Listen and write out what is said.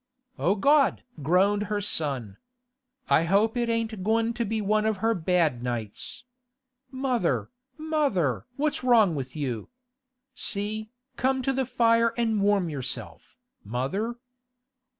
'O God!' groaned her son. 'I hope it ain't goin' to be one of her bad nights. Mother, mother! what's wrong with you? See, come to the fire an' warm yourself, mother.